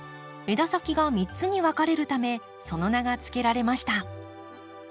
枝先が３つに分かれるためその名が付けられました。